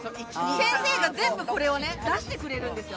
先生が全部これを出してくれるんですよ。